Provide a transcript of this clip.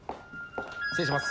失礼します。